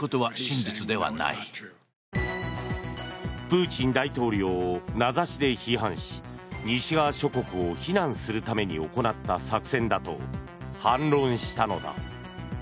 プーチン大統領を名指しで批判し西側諸国を非難するために行った作戦だと反論したのだ。